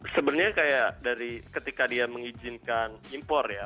sebenarnya kayak dari ketika dia mengizinkan impor ya